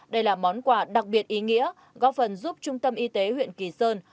đây là món quà đặc biệt ý nghĩa góp phần giúp trung tâm y tế huyện kỳ sơn